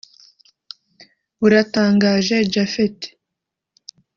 Buratangaje Japhet